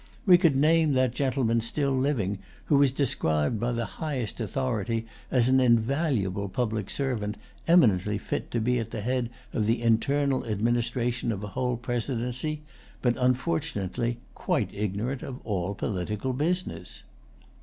We could name that gentleman still living, who was described by the highest authority as an invaluable public servant, eminently fit to be at the head of the internal administration of a whole presidency, but unfortunately quite ignorant of all political business.